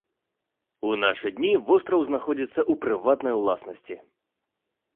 У нашы дні востраў знаходзіцца ў прыватнай уласнасці.